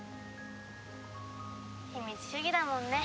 秘密主義だもんね。